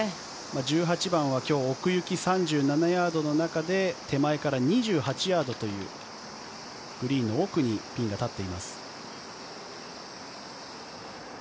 １８番は今日奥行き３７ヤードの中で手前から２８ヤードというグリーンの奥にピンが立っています。